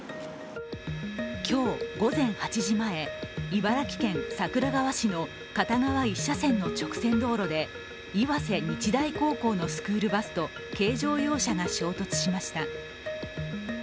今日午前８時前、茨城県桜川市の片側１車線の直線道路で岩瀬日大高校のスクールバスと軽乗用車が衝突しました。